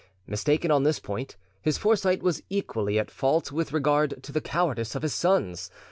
Mistaken on this point, his foresight was equally at fault with regard to the cowardice of his sons.